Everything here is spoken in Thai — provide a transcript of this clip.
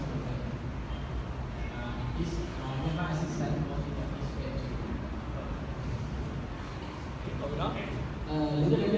เป็นผู้เล่นที่จะเล่นมาด้วยกันไปที่ประเภทอีก